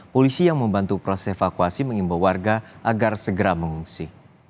polisi yang membantu proses evakuasi mengimbau warga agar segera mengungsi